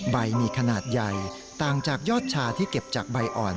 ใบมีขนาดใหญ่ต่างจากยอดชาที่เก็บจากใบอ่อน